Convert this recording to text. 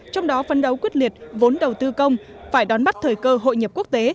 trong đó phân đấu quyết liệt vốn đầu tư công phải đón bắt thời cơ hội nhập quốc tế